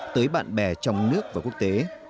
tới bạn bè trong nước và quốc tế